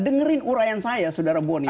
dengerin uraian saya sodara boni